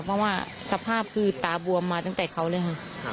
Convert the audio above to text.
เพราะว่าสภาพคือตาบวมมาตั้งแต่เขาเลยค่ะ